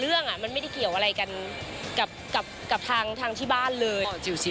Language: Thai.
เรื่องมันไม่ได้เกี่ยวอะไรกันกับทางที่บ้านเลย